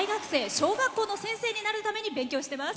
小学校の先生になるために勉強しています。